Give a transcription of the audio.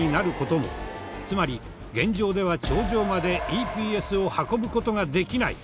つまり現状では頂上までＥＰＳを運ぶ事ができない。